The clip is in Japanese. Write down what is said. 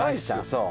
そう。